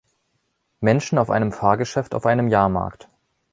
Menschen auf einem Fahrgeschäft auf einem Jahrmarkt.